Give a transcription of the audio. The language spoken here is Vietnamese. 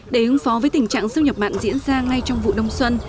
để ứng phó với tình trạng xâm nhập mặn diễn ra ngay trong vụ đông xuân